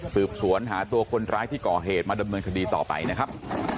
สืบสวนหาตัวคนร้ายที่ก่อเหตุมาดำเนินคดีต่อไปนะครับ